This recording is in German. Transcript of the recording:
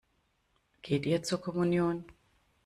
Geht ihr zur Kommunion?